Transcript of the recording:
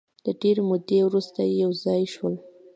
د ډېرې مودې وروسته یو ځای شول.